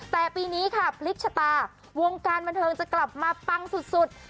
แต่ปีนี้ค่ะพลิกชะตาวงการบันเทิงจะกลับมาปังสุด